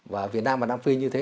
và việt nam và nam phi như thế